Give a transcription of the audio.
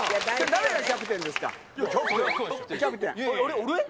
誰がキャプテンですか？